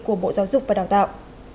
của bộ giáo dục và đào tạo